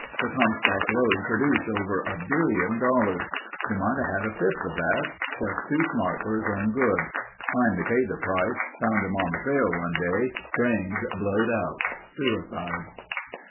The Comstock Lode produced over a billion dollars. He might have had a fifth of that. Just too smart for his own good. Finally paid the price. Found him on the trail one day. Brains blowed out. Suicide."